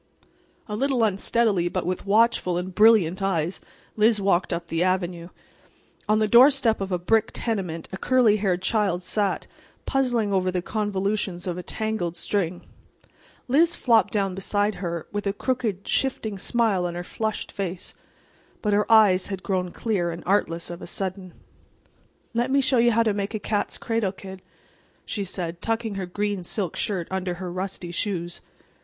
A little unsteadily, but with watchful and brilliant eyes, Liz walked up the avenue. On the doorstep of a brick tenement a curly haired child sat, puzzling over the convolutions of a tangled string. Liz flopped down beside her, with a crooked, shifting smile on her flushed face. But her eyes had grown clear and artless of a sudden. "Let me show you how to make a cat's cradle, kid," she said, tucking her green silk skirt under her rusty shoes.